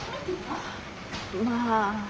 まあ。